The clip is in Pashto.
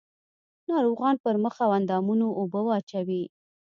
ناروغان پر مخ او اندامونو اوبه واچوي.